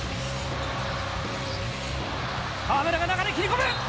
河村が中に切り込む！